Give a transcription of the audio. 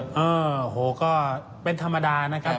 โอ้โหก็เป็นธรรมดานะครับ